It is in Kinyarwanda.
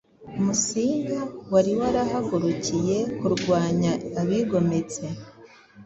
musinga wari warahagurukiye kurwanya abigometse